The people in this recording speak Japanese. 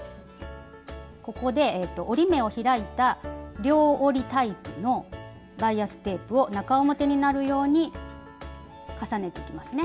ここで折り目を開いた両折りタイプのバイアステープを中表になるように重ねていきますね。